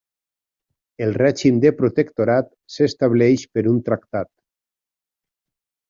El règim de protectorat s'estableix per un tractat.